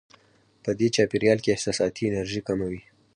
په دې چاپېریال کې احساساتي انرژي کمه وي.